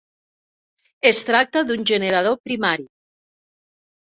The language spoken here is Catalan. Es tracta d'un generador primari.